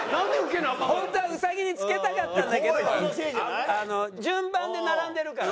本当は兎に付けたかったんだけど順番で並んでるから。